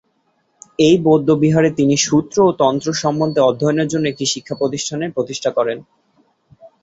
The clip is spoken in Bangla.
এই বৌদ্ধবিহারে তিনি সূত্র ও তন্ত্র সম্বন্ধে অধ্যয়নের জন্য একটি শিক্ষাপ্রতিষ্ঠানের প্রতিষ্ঠা করেন।